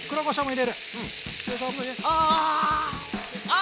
あ！